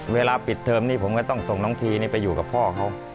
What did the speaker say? เวลาปิดเทอมนี้ผมก็ต้องส่งน้องพีไปอยู่กับพ่อเขา